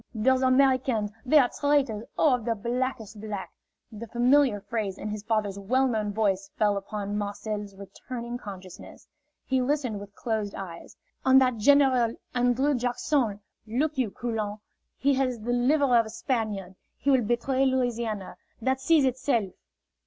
"Those Americans, they are traitors, oh, of the blackest black!" The familiar phrase in his father's well known voice fell upon Marcel's returning consciousness. He listened with closed eyes. "And that General An drrew Jack son, look you, Coulon, he has the liver of a Spaniard. He will betray Louisiana. That sees itself!"